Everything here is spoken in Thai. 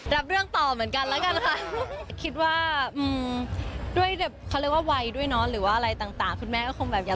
รับเรื่องต่อเหมือนกันแล้วกันนะคะ